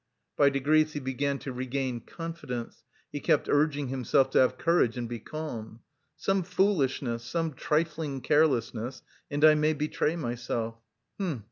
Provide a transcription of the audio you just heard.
By degrees he began to regain confidence, he kept urging himself to have courage and be calm. "Some foolishness, some trifling carelessness, and I may betray myself!